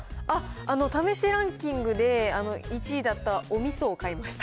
試してランキングで１位だったおみそを買いました。